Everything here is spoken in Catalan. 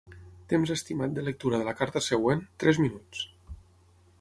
Temps estimat de lectura de la carta següent: tres minuts.